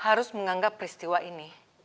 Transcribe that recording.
harus menganggap peristiwa ini